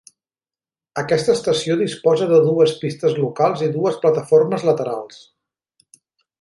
Aquesta estació disposa de dues pistes locals i dues plataformes laterals.